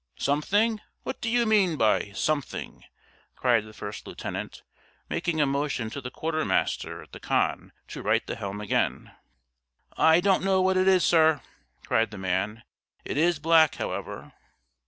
"Something! What do you mean by 'something'?" cried the first lieutenant, making a motion to the quarter master at the con to right the helm again. "I don't know what it is, sir," cried the man; "it is black, however."